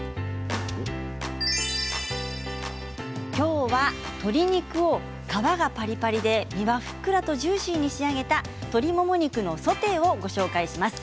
今日は鶏肉を皮がパリパリで身がふっくらとジューシーに仕上げた鶏もも肉のソテーをご紹介します。